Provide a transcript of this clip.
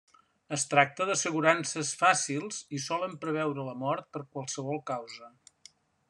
Es tracta d'assegurances fàcils i solen preveure la mort per qualsevol causa.